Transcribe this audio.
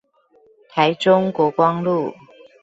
台中國光路